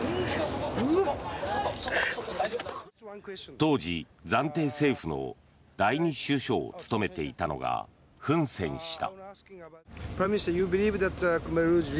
当時、暫定政府の第２首相を務めていたのがフン・セン氏だ。